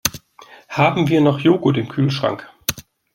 Haben wir noch Joghurt im Kühlschrank?